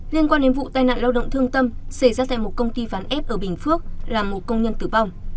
liên quan đến vụ tai nạn lao động thương tâm xảy ra tại một công ty ván ép ở bình phước làm một công nhân tử vong